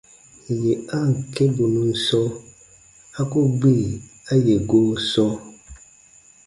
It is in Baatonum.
Yè a ǹ kĩ bù nun sɔ̃, a ku gbi a yè goo sɔ̃.